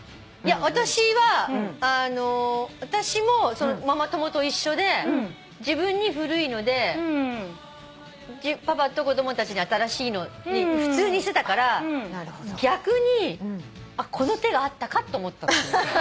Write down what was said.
私は私もママ友と一緒で自分に古いのでパパと子供たちに新しいのに普通にしてたから逆にこの手があったか！と思ったの。